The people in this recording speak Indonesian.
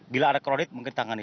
bila ada kredit mungkin ditangani